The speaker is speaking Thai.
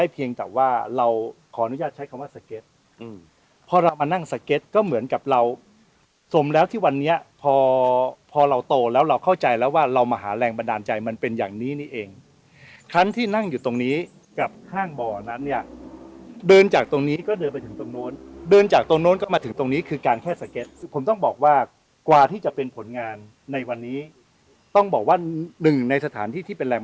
เพียงแต่ว่าเราขออนุญาตใช้คำว่าสเก็ตพอเรามานั่งสเก็ตก็เหมือนกับเราสมแล้วที่วันนี้พอพอเราโตแล้วเราเข้าใจแล้วว่าเรามาหาแรงบันดาลใจมันเป็นอย่างนี้นี่เองคันที่นั่งอยู่ตรงนี้กับห้างบ่อนั้นเนี่ยเดินจากตรงนี้ก็เดินไปถึงตรงโน้นเดินจากตรงโน้นก็มาถึงตรงนี้คือการแค่สเก็ตผมต้องบอกว่ากว่าที่จะเป็นผลงานในวันนี้ต้องบอกว่าหนึ่งในสถานที่ที่เป็นแรง